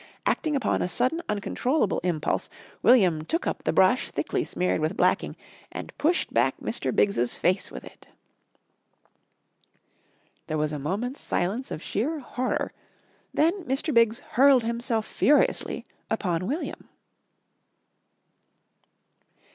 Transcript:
Acting upon a sudden uncontrollable impulse William took up the brush thickly smeared with blacking and pushed back Mr. Biggs's face with it. There was a moment's silence of sheer horror, then Mr. Biggs hurled himself furiously upon William....